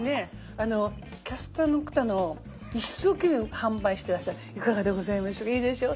あのキャスターの方の一生懸命販売してらっしゃる「いかがでございましょういいでしょう？